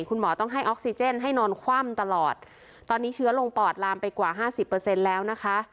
คุณหมอต้องให้ออกซิเจนให้นอนคว่ำตลอดตอนนี้เชื้อลงปอดลามไปกว่าห้าสิบเปอร์เซ็นต์แล้วนะคะ